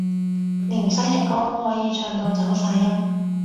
連生日歌都可以唱到走晒音